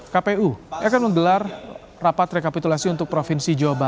kpu akan menggelar rapat rekapitulasi untuk provinsi jawa barat